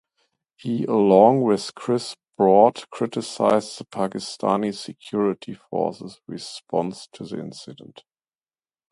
He along with Chris Broad criticized the Pakistan security forces' response to the incident.